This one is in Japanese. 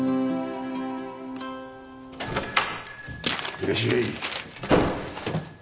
・いらっしゃい。